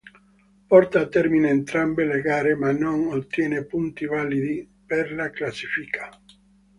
Porta a termine entrambe le gare ma non ottiene punti validi per la classifica.